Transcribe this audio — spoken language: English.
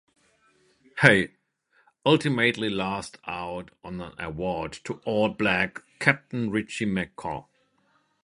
He ultimately lost out on the award to All Blacks captain Richie McCaw.